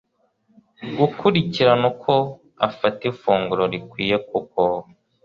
gukurikirana uko afata ifunguro rikwiye kuko